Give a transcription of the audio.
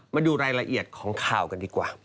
มาดูรายละเอียดของข่าวกันดีกว่า